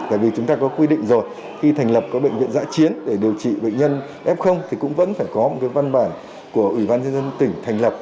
tại vì chúng ta có quy định rồi khi thành lập có bệnh viện giã chiến để điều trị bệnh nhân f thì cũng vẫn phải có một văn bản của ủy ban dân tỉnh thành lập